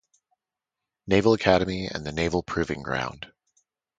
Naval Academy and the Naval Proving Ground.